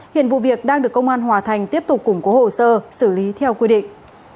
hiện vụ việc đang được công an hòa thành tiếp tục củng cố hồ sơ xử lý theo quy định